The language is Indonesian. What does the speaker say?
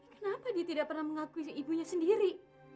kenapa dia tidak pernah mengakui ibunya sendiri